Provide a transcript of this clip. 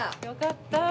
よかった。